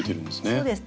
そうです。